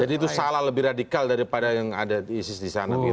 jadi itu salah lebih radikal daripada yang ada di sisi sana